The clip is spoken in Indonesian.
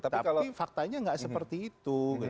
tapi faktanya nggak seperti itu